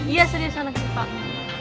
iya serius anak ipa